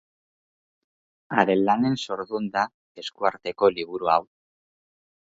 Haren lanen zordun da esku arteko liburu hau.